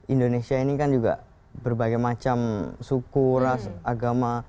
indonesia ini kan juga berbagai macam suku ras agama